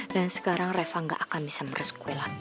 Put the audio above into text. dan sekarang reva gak akan bisa meres kue lagi